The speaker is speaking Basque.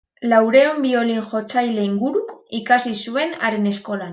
Laurehun biolin-jotzaile inguruk ikasi zuen haren eskolan.